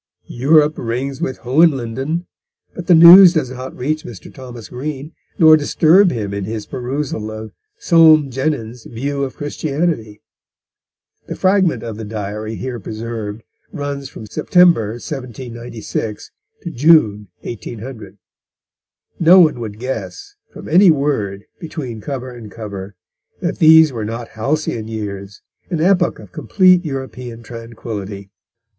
Europe rings with Hohenlinden, but the news does not reach Mr. Thomas Green, nor disturb him in his perusal of Soame Jenyns' View of Christianity. The fragment of the Diary here preserved runs from September 1796 to June 1800. No one would guess, from any word between cover and cover, that these were not halcyon years, an epoch of complete European tranquillity.